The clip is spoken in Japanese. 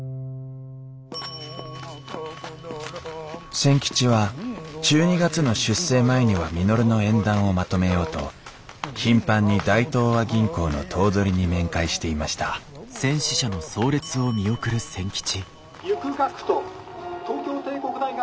千吉は１２月の出征前には稔の縁談をまとめようと頻繁に大東亜銀行の頭取に面会していました「行く学徒東京帝国大学